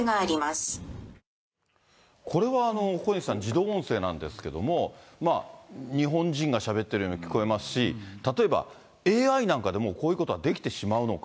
これは小西さん、自動音声なんですけれども、日本人がしゃべってるように聞こえますし、例えば、ＡＩなんかでも、こういうことはできてしまうのか。